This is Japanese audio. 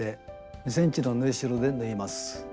２ｃｍの縫いしろで縫います。